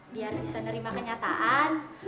biar bisa nerima kenyataan